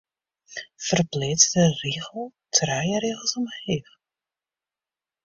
Ferpleats de rigel trije rigels omheech.